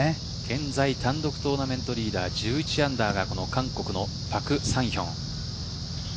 現在単独トーナメントリーダー１１アンダーが韓国のパク・サンヒョン。